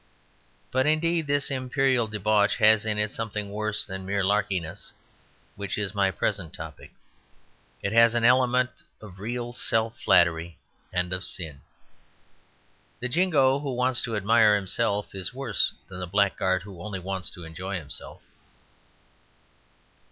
But, indeed, this Imperial debauch has in it something worse than the mere larkiness which is my present topic; it has an element of real self flattery and of sin. The Jingo who wants to admire himself is worse than the blackguard who only wants to enjoy himself.